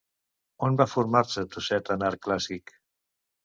On va formar-se Tuset en art clàssic?